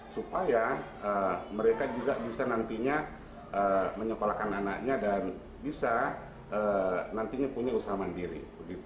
supaya mereka juga bisa nantinya menyekolahkan anaknya dan bisa nantinya punya usaha mandiri